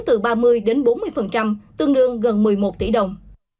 bốn mươi tương đương gần một mươi một tỷ đồng